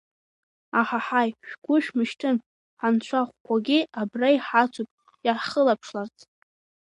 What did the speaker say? Аҳаҳаи, шәгәы шәмышьҭын, ҳанцәахәқәагьы абра иҳацуп иаҳхылаԥшларц!